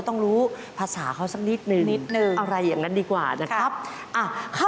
ถูกถูกถูก